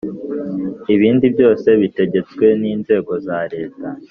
ibindi byose bitegetswe n inzego za leta